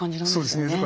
そうですね。